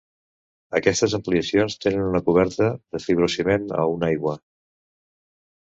Aquestes ampliacions tenen una coberta de fibrociment a una aigua.